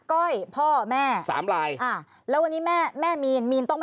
ครับครับครับครับครับ